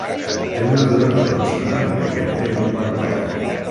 Té una durada aproximada de gairebé un quart d'hora.